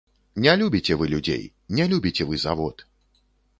Не любіце вы людзей, не любіце вы завод.